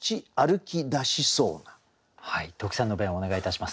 特選の弁をお願いいたします。